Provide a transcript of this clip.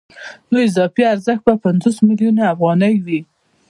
نو اضافي ارزښت به پنځوس میلیونه افغانۍ وي